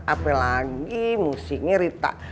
apalagi musiknya rita